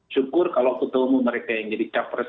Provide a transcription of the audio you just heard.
syukur kalau ketemu mereka yang jadi capres